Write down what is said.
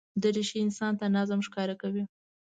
دریشي انسان ته نظم ښکاره کوي.